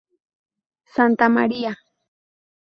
Santa María.